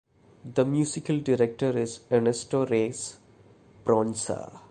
The musical director is Ernesto Reyes Proenza.